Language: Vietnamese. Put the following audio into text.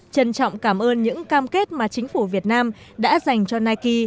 trân trọng cảm ơn những cam kết mà chính phủ việt nam đã dành cho nike